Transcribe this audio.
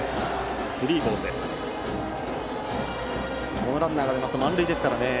このランナーが出ますと満塁ですからね。